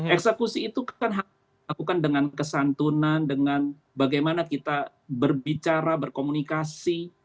eksekusi itu kan harus dilakukan dengan kesantunan dengan bagaimana kita berbicara berkomunikasi